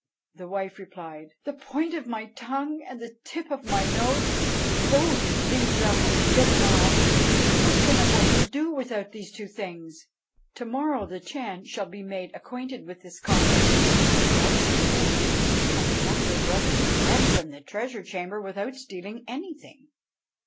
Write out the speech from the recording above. The wife replied, 'The point of my tongue, and the tip of my nose, both these thou hast bitten off. What can a woman do without these two things? To morrow the Chan shall be made acquainted with this conduct.' Thus spake she, and the younger brother fled from the treasure chamber without stealing anything.